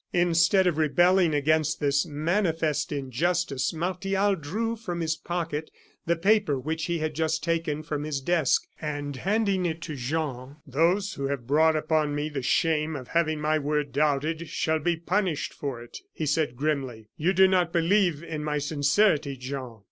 Instead of rebelling against this manifest injustice, Martial drew from his pocket the paper which he had just taken from his desk, and handing it to Jean: "Those who have brought upon me the shame of having my word doubted shall be punished for it," he said grimly. "You do not believe in my sincerity, Jean.